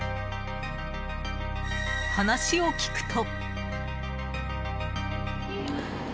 話を聞くと。